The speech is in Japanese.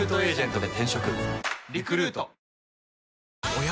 おや？